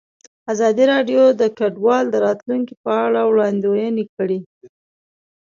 ازادي راډیو د کډوال د راتلونکې په اړه وړاندوینې کړې.